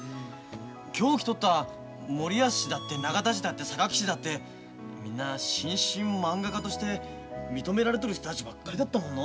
今日来とった森安氏だって永田氏だって坂木氏だってみんな新進まんが家として認められとる人たちばっかりだったもんの。